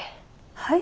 はい？